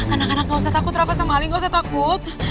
anak anak gak usah takut rapat sama ali nggak usah takut